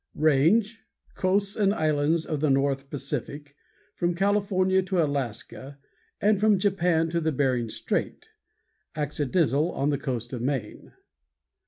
RANGE Coasts and islands of the north Pacific, from California to Alaska, and from Japan to Bering Strait. Accidental on the coast of Maine.